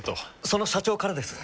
その社長からです。